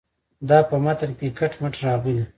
دا په متن کې کټ مټ راغلې.